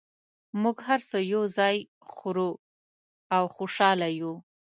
موږ هر څه یو ځای خورو او خوشحاله یو